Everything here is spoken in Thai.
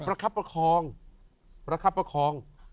ประคับประคอง